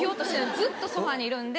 ずっとソファにいるんで。